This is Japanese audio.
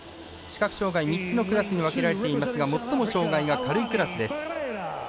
視覚障がい、３つのクラスに分けられていますが最も障がいが軽いクラスです。